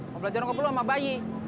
mau belajar keperlu sama bayi